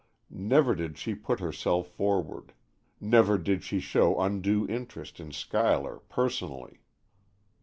Never did she put herself forward; never did she show undue interest in Schuyler, personally.